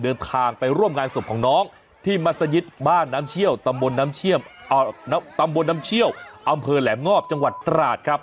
เดินทางไปร่วมงานศพของน้องที่มัศยิตบ้านน้ำเชี่ยวตำบลน้ำตำบลน้ำเชี่ยวอำเภอแหลมงอบจังหวัดตราดครับ